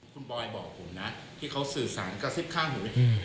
คุณบอยบอกผมนะที่เขาสื่อสารกระซิบข้างผมเนี่ย